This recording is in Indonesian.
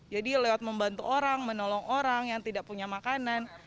jadi lewat membantu orang menolong orang yang tidak punya makanan